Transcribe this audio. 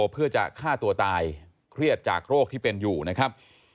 เพื่อจะฆ่าตัวตายเครียดจากโรคที่เป็นอยู่นะครับ